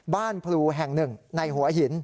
บ้านภูแห่งหนึ่งในหัวหิน